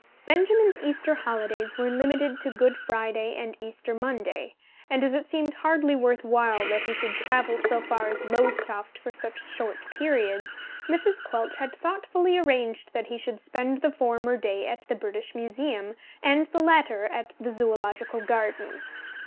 Benjamin's Easter holidays were limited to Good Friday and Easter Monday, and, as it seemed hardly worth while that he should travel so far as Lowestoft for such short periods, Mrs. Quelch had thoughtfully arranged that he should spend the former day at the British Museum and the latter at the Zoological Gardens.